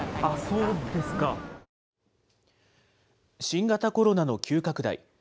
新型コロナの急拡大。